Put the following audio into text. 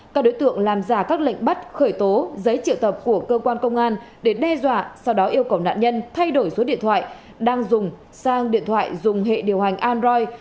các đối tượng làm giả các lệnh bắt khởi tố giấy triệu tập của cơ quan công an để đe dọa sau đó yêu cầu nạn nhân thay đổi số điện thoại đang dùng sang điện thoại dùng hệ điều hành android